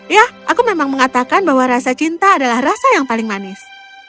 ya aku memang mengatakan bahwa rasa cinta adalah rasa yang paling manis